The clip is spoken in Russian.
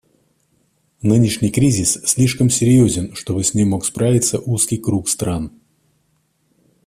Нынешний кризис слишком серьезен, чтобы с ним мог справиться узкий круг стран.